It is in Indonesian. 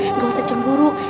enggak usah cemburu